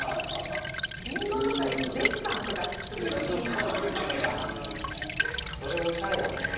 りんごとかデッサンとかする時にこういう影が。それおしゃれだね。